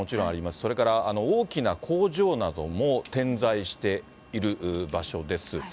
それから大きな工場なども点在している場所です。